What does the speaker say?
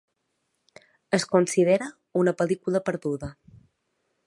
Es considera una pel·lícula perduda.